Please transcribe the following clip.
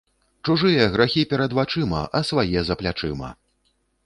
Чужыя грахі перад вачыма, а свае за плячыма